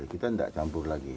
jadi kita tidak campur lagi